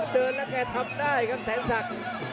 เดินแล้วแค่ทำได้ครับแทงซัก